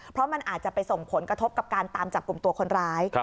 เพราะมันอาจจะไปส่งผลกระทบกับการตามจับกลุ่มตัวคนร้าย